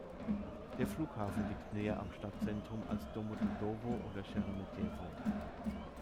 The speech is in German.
Der Flughafen liegt näher am Stadtzentrum als Domodedowo oder Scheremetjewo.